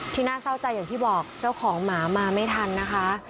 น่าเศร้าใจอย่างที่บอกเจ้าของหมามาไม่ทันนะคะ